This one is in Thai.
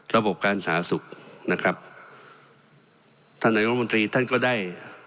ระบบการสาธารณสุขนะครับท่านนายกรมนตรีท่านก็ได้